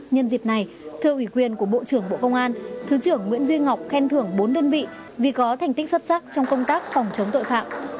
nhân dịp này thưa ủy quyền của bộ trưởng bộ công an thứ trưởng nguyễn duy ngọc khen thưởng bốn đơn vị vì có thành tích xuất sắc trong công tác phòng chống tội phạm